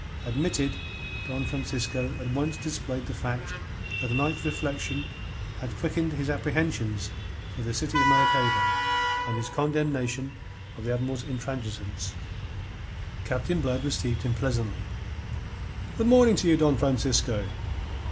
Admitted, Don Francisco at once displayed the fact that a night's reflection had quickened his apprehensions for the city of Maracaybo and his condemnation of the Admiral's intransigence. Captain Blood received him pleasantly. "Good morning to you, Don Francisco.